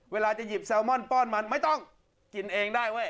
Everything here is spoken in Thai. เวลาจะหยิบแซลมอนป้อนมันไม่ต้องกินเองได้เว้ย